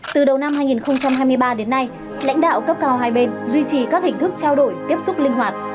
từ đầu năm hai nghìn hai mươi ba đến nay lãnh đạo cấp cao hai bên duy trì các hình thức trao đổi tiếp xúc linh hoạt